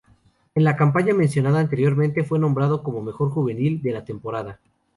En la campaña mencionada anteriormente, fue nombrado como mejor juvenil de la temporada.